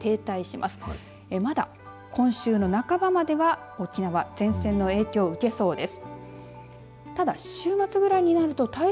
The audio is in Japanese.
まだ、今週の半ばまでは沖縄前線の影響を受けそうです。